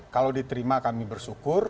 kalau diterima kami bersyukur